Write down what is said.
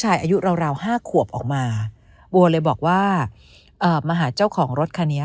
ชายอายุราว๕ขวบออกมาบัวเลยบอกว่ามหาเจ้าของรถคันนี้